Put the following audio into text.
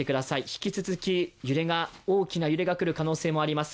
引き続き大きな揺れが来る可能性があります。